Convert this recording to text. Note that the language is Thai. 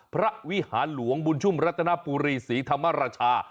พระวิหารหลวงบุญชุมรัตนภูรีศรีธรรมารัชา